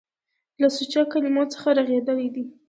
له سوچه کلمو څخه رغېدلي دي.